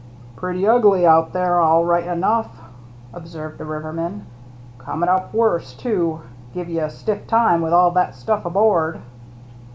" Pretty ugly, out there, all right enough," observed a riverman. " Comin' up worse, too. Give you a stiff time with all that stuff aboard."